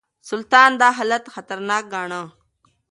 سلطان دا حالت خطرناک ګاڼه.